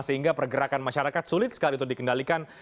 sehingga pergerakan masyarakat sulit sekali untuk dikendalikan